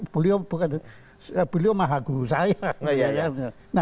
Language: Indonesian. beliau bukan beliau maha guru saya